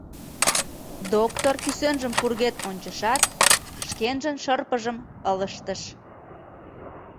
Доктор кӱсенжым пургед ончышат, шкенжын шырпыжым ылыжтыш.